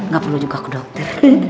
gak perlu juga ke dokter